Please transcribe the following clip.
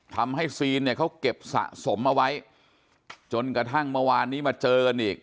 ซีนเนี่ยเขาเก็บสะสมเอาไว้จนกระทั่งเมื่อวานนี้มาเจอกันอีก